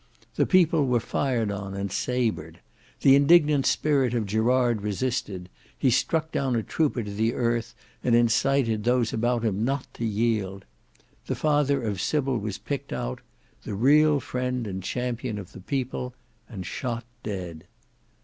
The people were fired on and sabred. The indignant spirit of Gerard resisted; he struck down a trooper to the earth, and incited those about him not to yield. The father of Sybil was picked out—the real friend and champion of the People—and shot dead.